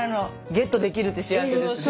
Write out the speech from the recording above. ゲットできるって幸せですね。